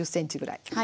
１０ｃｍぐらい。